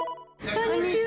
こんにちは！